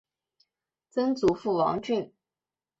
曾祖父王俊。